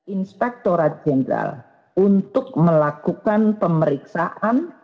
inspektorat jenderal untuk melakukan pemeriksaan